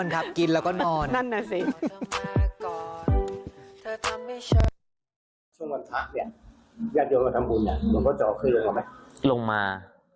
หลงมา